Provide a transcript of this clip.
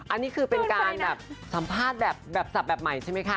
อันนี้คือเป็นการแบบสัมภาษณ์แบบสับแบบใหม่ใช่ไหมคะ